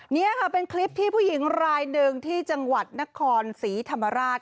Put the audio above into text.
นี่ค่ะเป็นคลิปที่ผู้หญิงรายหนึ่งที่จังหวัดนครศรีธรรมราช